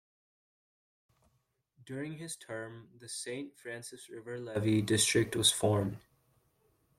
During his term, the Saint Francis River levee district was formed.